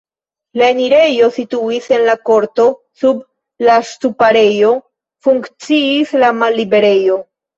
La enirejo situis en la korto, sub la ŝtuparejo funkciis la malliberejo.